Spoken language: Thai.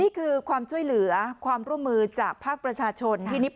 นี่คือความช่วยเหลือความร่วมมือจากภาคประชาชนที่นิบ